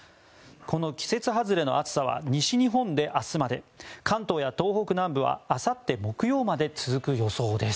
この季節外れの暑さは西日本で明日まで関東や東北南部はあさって木曜日まで続く予想です。